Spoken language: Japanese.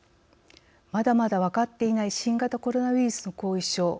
まだまだ分かっていない新型コロナウイルスの後遺症。